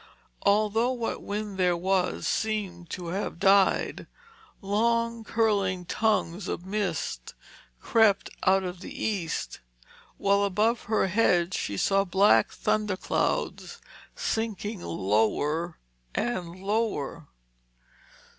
Although what wind there was seemed to have died, long curling tongues of mist crept out of the east, while above her head she saw black thunder clouds, sinking lower and lower.